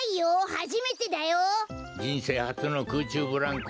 はじめてだよ。じんせいはつのくうちゅうブランコ。